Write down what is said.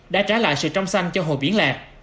đã trả lại sự trong xanh cho hồ biển lạc